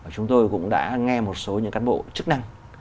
chúng tôi cũng đã nghe một số những cán bộ chức năng